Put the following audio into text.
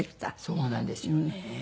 そうなんですよね。